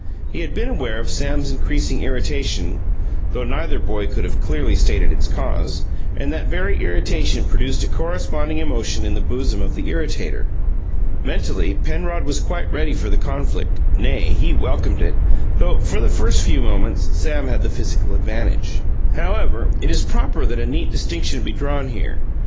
He had been aware of Sam's increasing irritation (though neither boy could have clearly stated its cause) and that very irritation produced a corresponding emotion in the bosom of the irritator. Mentally, Penrod was quite ready for the conflict nay, he welcomed it though, for the first few moments, Sam had the physical advantage. However, it is proper that a neat distinction be drawn here.